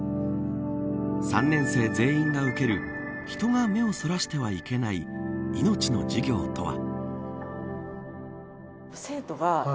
３年生全員が受ける人が目をそらしてはいけない命の授業とは。